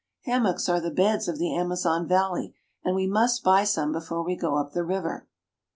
Hammocks are the beds of the Amazon valley, and we must buy some before we. go up the river.